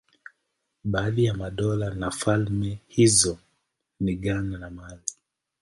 Baadhi ya madola na falme hizo ni Ghana na Mali.